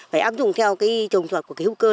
phải áp dụng theo cái trồng rau hữu cơ